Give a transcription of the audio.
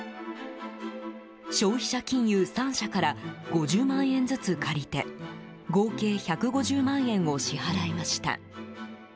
消費者金融３社から５０万円ずつ借りて合計１５０万円を支払いました。